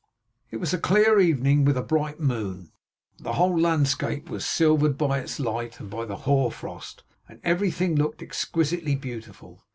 It was a clear evening, with a bright moon. The whole landscape was silvered by its light and by the hoar frost; and everything looked exquisitely beautiful.